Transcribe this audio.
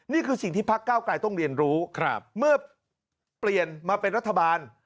นี่คือสิ่งที่พักเก้าไกลต้องเรียนรู้เมื่อเปลี่ยนมาเป็นรัฐบาล